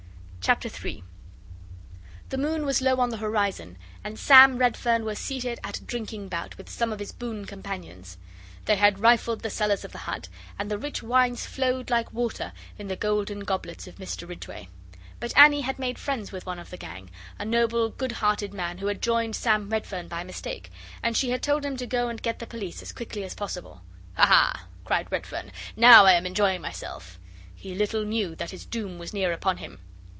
CHAPTER III The moon was low on the horizon, and Sam Redfern was seated at a drinking bout with some of his boon companions. They had rifled the cellars of the hut, and the rich wines flowed like water in the golden goblets of Mr Ridgway. But Annie had made friends with one of the gang, a noble, good hearted man who had joined Sam Redfern by mistake, and she had told him to go and get the police as quickly as possible. 'Ha! ha!' cried Redfern, 'now I am enjoying myself!' He little knew that his doom was near upon him.